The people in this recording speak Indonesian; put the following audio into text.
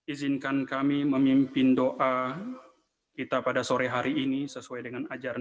izinkan kami memimpin doa kita pada sore hari ini sesuai dengan ajaran